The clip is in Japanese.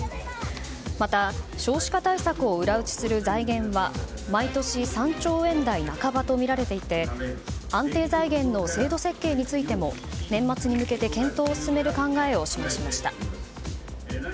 また、少子化対策を裏打ちする財源は毎年、３兆円台半ばとみられていて安定財源の制度設計についても年末に向けて検討を進める考えを示しました。